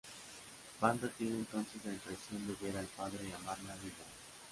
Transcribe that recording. Vanda tiene entonces la impresión de ver al padre llamarla víbora.